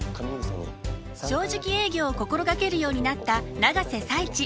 正直営業を心掛けるようになった永瀬財地。